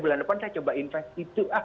bulan depan saya coba invest itu